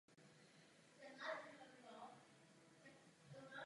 Též princ přichází jako tanečnice.